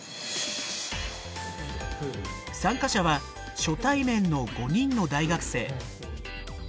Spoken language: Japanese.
参加者は初対面の５人の大学生。